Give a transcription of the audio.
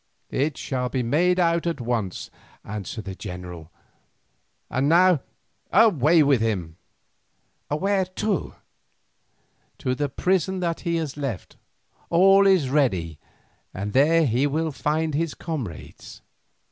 "It shall be made out at once," answered the general. "And now away with him." "Where to?" "To the prison that he has left. All is ready and there he will find his comrades."